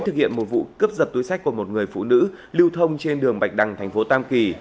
thực hiện một vụ cướp giật túi sách của một người phụ nữ lưu thông trên đường bạch đăng thành phố tam kỳ